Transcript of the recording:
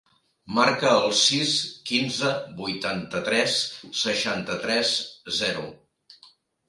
Marca el sis, quinze, vuitanta-tres, seixanta-tres, zero.